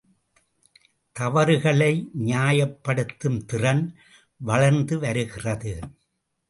தவறுகளை நியாயப்படுத்தும் திறன் வளர்ந்து வருகிறது.